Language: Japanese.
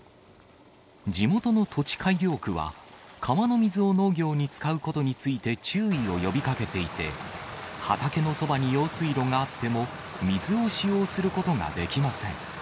地元の土地改良区は、川の水を農業に使うことについて、注意を呼びかけていて、畑のそばに用水路があっても、水を使用することができません。